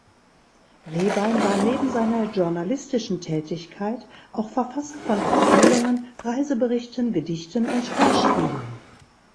Rehbein war neben seiner journalistischen Tätigkeit auch Verfasser von Erzählungen, Reiseberichten, Gedichten und Hörspielen.